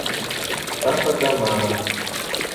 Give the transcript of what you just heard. Папа да мама.